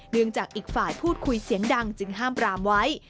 จากอีกฝ่ายพูดคุยเสียงดังจึงห้ามปรามไว้